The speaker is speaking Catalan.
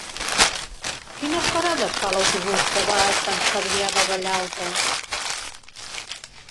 Quines parades fa l'autobús que va a Sant Cebrià de Vallalta?